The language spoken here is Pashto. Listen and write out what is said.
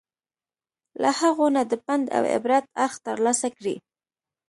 له هغو نه د پند او عبرت اړخ ترلاسه کړي.